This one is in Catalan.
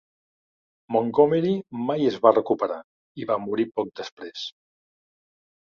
Montgomery mai es va recuperar, i va morir poc després.